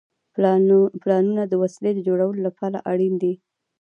پلانونه د وسیلې د جوړولو لپاره اړین دي.